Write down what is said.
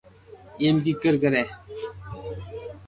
ايم ڪيڪر ڪري